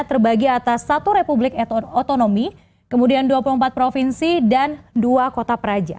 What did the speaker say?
terbagi atas satu republik otonomi kemudian dua puluh empat provinsi dan dua kota peraja